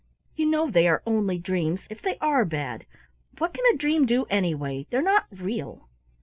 "You know they are only dreams if they are bad. What can a dream do, anyway? They're not real."